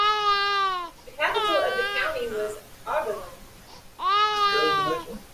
The capital of the county was Ogulin.